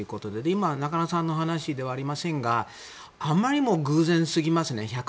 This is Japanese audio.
今、中野さんの話ではありませんがあまりにも偶然すぎますね。